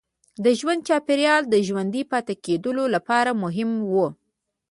د ژوند چاپېریال د ژوندي پاتې کېدو لپاره مهم و.